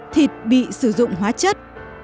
thịt bị sử dụng hóa chất